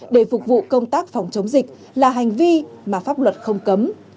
để phục vụ công tác phòng chống dịch là hành vi mà pháp luật không cấm